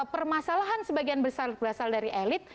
permasalahan sebagian besar berasal dari elit